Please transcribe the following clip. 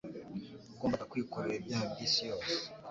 Yagomba kwikorera ibyaha by'isi yose.